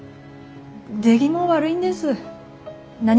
出来も悪いんです。